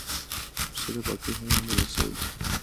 پسه د پاکۍ حیوان بلل شوی.